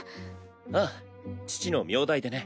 ああ父の名代でね。